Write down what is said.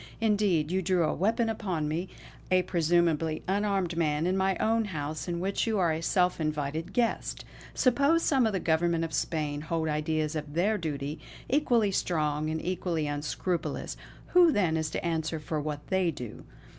Indeed, you drew a weapon upon me, a presumably unarmed man, in my own house in which you are a self invited guest. Suppose some of the Government of Spain hold ideas of their duty, equally strong and equally unscrupulous; who then is to answer for what they do.